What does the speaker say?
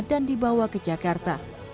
dan dibawa ke jakarta